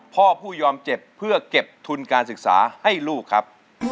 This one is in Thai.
พ่อผู้ยอมเจ็บเพื่อเก็บทุนการศึกษาให้ลูกครับ